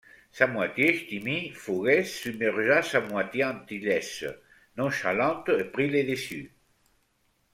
Sa moitié ch’timi, fougueuse, submergea sa moitié antillaise, nonchalante, et prit le dessus.